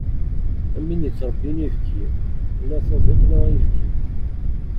Am win yettrebbin ibki, la taduṭ la ayefki.